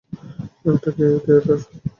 এটা কি থিয়েটার?